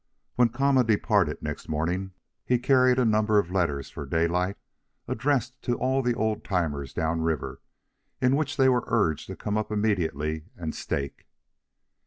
When Kama departed next morning, he carried a number of letters for Daylight, addressed to all the old timers down river, in which they were urged to come up immediately and stake.